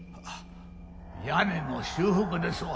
屋根の修復ですわ。